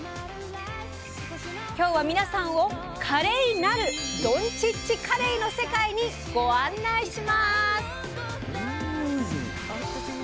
今日は皆さんを華麗なるどんちっちカレイの世界にご案内します！